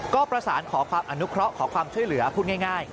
ก็ประสานขอความอนุเคราะห์ขอความช่วยเหลือพูดง่าย